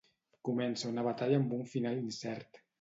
Comença una batalla amb un final incert.